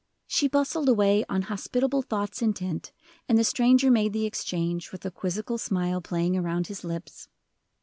She bustled away, "on hospitable thoughts intent," and the stranger made the exchange with a quizzical smile playing around his lips.